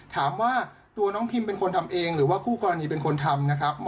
ถามว่าตัวน้องพิมเป็นคนทำเองหรือว่าคู่กรณีเป็นคนทำนะครับ